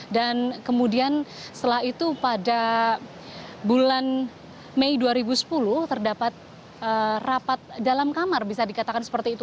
dan kemudian setelah itu pada bulan mei dua ribu sepuluh terdapat rapat dalam kamar bisa dikatakan seperti itu